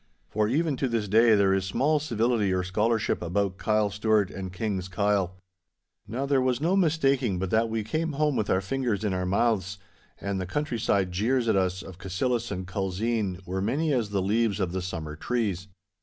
For even to this day there is small civility or scholarship about Kyle Stewart and King's Kyle. Now there was no mistaking but that we came home with our fingers in our mouths, and the countryside jeers at us of Cassillis and Culzean were many as the leaves of the summer trees.